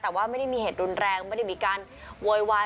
แต่ว่าไม่ได้มีเหตุรุนแรงไม่ได้มีการโวยวาย